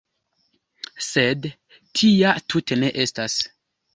Sed tia tute ne estas.